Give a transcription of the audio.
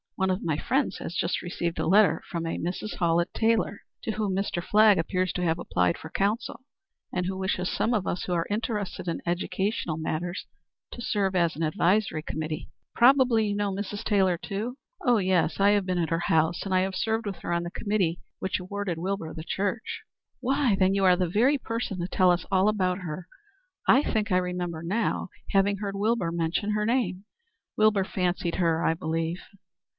One of my friends has just received a letter from a Mrs. Hallett Taylor, to whom Mr. Flagg appears to have applied for counsel, and who wishes some of us who are interested in educational matters to serve as an advisory committee. Probably you know Mrs. Taylor too?" "Oh yes. I have been at her house, and I served with her on the committee which awarded Wilbur the church." "Why, then you are the very person to tell us all about her. I think I remember now having heard Wilbur mention her name." "Wilbur fancied her, I believe."